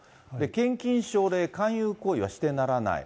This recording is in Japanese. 献金奨励、勧誘行為はしてならない。